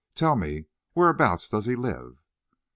"Tell me, whereabouts does he live?"